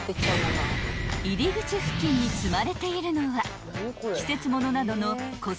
［入り口付近に積まれているのは］